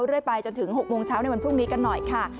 ไปจนถึง๖โมงเช้าในวันพรุ่งนี้กันหน่อยค่ะ